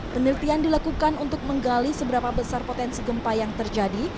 penelitian dilakukan untuk menggali seberapa besar potensi gempa yang terjadi